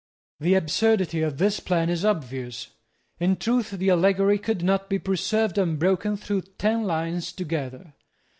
The absurdity of this plan is obvious. In truth the allegory could not be preserved unbroken through ten lines together.